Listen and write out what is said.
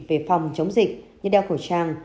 về phòng chống dịch như đeo khẩu trang